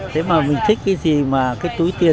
thế mà mình thích cái gì mà cái túi tiền